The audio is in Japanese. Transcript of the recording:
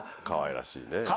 かわいらしいね。